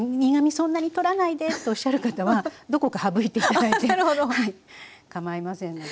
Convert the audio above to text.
そんなに取らないでとおっしゃる方はどこか省いていただいてかまいませんので。